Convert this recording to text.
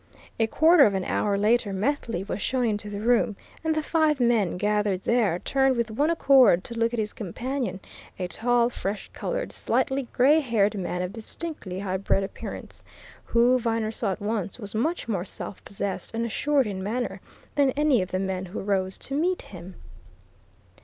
A quarter of an hour later Methley was shown into the room, and the five men gathered there turned with one accord to look at his companion, a tall, fresh coloured, slightly grey haired man of distinctly high bred appearance, who, Viner saw at once, was much more self possessed and assured in manner than any of the men who rose to meet him.